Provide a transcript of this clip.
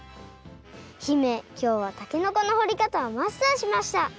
姫きょうはたけのこのほりかたをマスターしました！